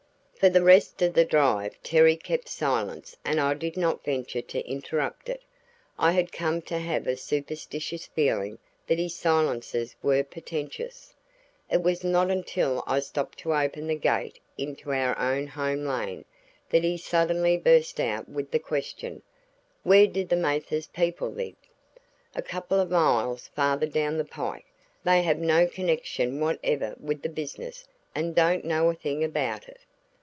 For the rest of the drive Terry kept silence and I did not venture to interrupt it. I had come to have a superstitious feeling that his silences were portentous. It was not until I stopped to open the gate into our own home lane, that he suddenly burst out with the question: "Where do the Mathers people live?" "A couple of miles farther down the pike they have no connection whatever with the business, and don't know a thing about it."